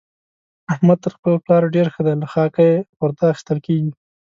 احمد تر خپل پلار ډېر ښه دی؛ له خاکه يې خورده اخېستل کېږي.